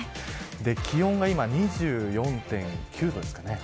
気温が今、２４．９度ですかね。